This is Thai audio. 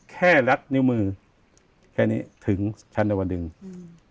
แค่รัดนิ้วมือแค่นี้ถึงชั้นดวดึงอืม